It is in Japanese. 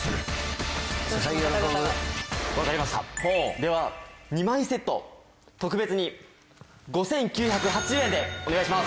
では２枚セット特別に５９８０円でお願いします！